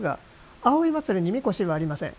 葵祭に、みこしはありません。